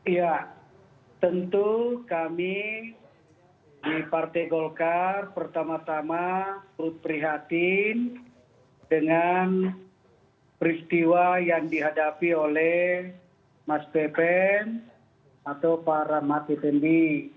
ya tentu kami di partai golkar pertama tama berprihatin dengan peristiwa yang dihadapi oleh mas pepen atau para rahmat effendi